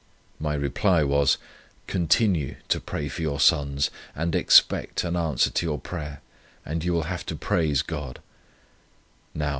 My reply was, 'Continue to pray for your sons, and expect an answer to your prayer, and you will have to praise God.'